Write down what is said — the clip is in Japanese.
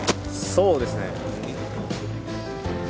そうですね。